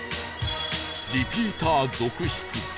リピーター続出